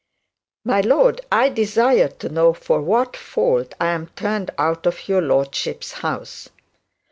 'My lord, I desire to know for what fault I am turned out of your lordship's house.'